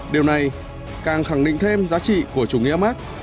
điều này càng khẳng định thêm giá trị của chủ nghĩa mark